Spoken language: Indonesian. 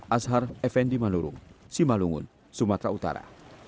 ashar effendi malurung simalungun sumatera utara